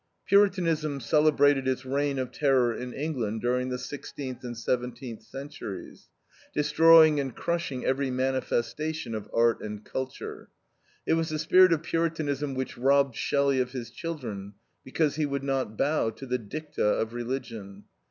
Puritanism celebrated its reign of terror in England during the sixteenth and seventeenth centuries, destroying and crushing every manifestation of art and culture. It was the spirit of Puritanism which robbed Shelley of his children, because he would not bow to the dicta of religion.